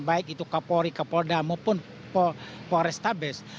baik itu kapolri kapolda maupun polrestabes